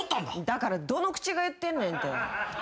だからどの口が言ってんねんって。